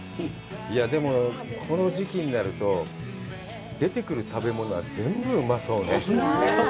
でも、この時期になると出てくる食べ物は全部うまそうね。